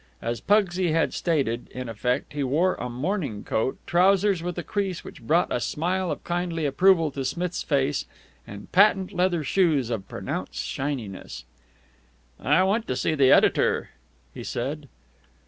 As Pugsy had stated, in effect, he wore a morning coat, trousers with a crease which brought a smile of kindly approval to Smith's face, and patent leather shoes of pronounced shininess. "I want to see the editor," he said.